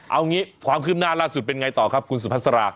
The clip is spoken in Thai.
เอางี้ความคืบหน้าล่าสุดเป็นไงต่อครับคุณสุภาษา